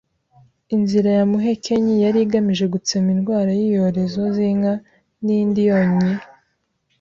Inzira ya muhekenyi: yari igamije gutsema indwara z’iyorezo z’inka n’iindi yonnyi